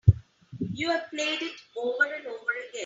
You've played it over and over again.